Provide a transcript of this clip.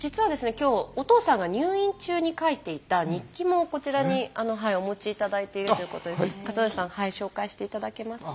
今日お父さんが入院中に書いていた日記もこちらにお持ちいただいているということで健徳さん紹介していただけますか。